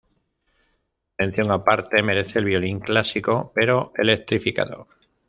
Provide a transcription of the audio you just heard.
Mención aparte merece el violín clásico pero electrificado.